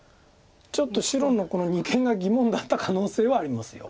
ちょっと白のこの二間が疑問だった可能性はあります。